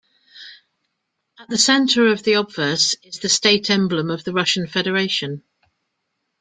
At the center of the obverse is the state emblem of the Russian Federation.